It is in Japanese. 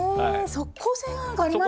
即効性ありますね。